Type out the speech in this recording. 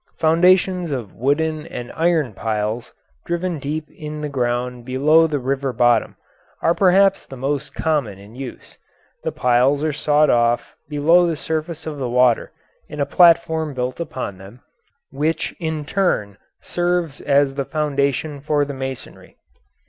Foundations of wooden and iron piles, driven deep in the ground below the river bottom, are perhaps the most common in use. The piles are sawed off below the surface of the water and a platform built upon them, which in turn serves as the foundation for the masonry.